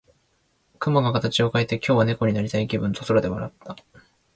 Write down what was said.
雲が形を変えて、「今日は猫になりたい気分」と空で言った。